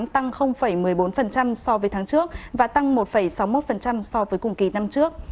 tăng một mươi bốn so với tháng trước và tăng một sáu mươi một so với cùng kỳ năm trước